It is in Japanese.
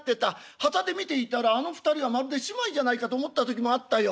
端で見ていたらあの２人はまるで姉妹じゃないかと思った時もあったよ。